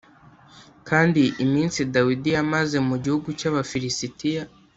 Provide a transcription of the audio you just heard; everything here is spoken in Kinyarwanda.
kandi iminsi dawidi yamaze mu gihugu cy’abafilisitiya